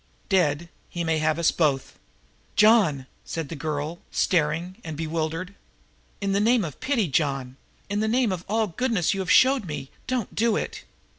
Dead he may have us both." "John!" said the girl, staring and bewildered. "In the name of pity, John, in the name of all the goodness you have showed me, don't do it."